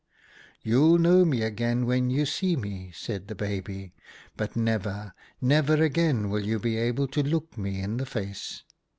"' You'll know me again when you see me,' said the baby, 'but never, never again will you be able to look me in the face.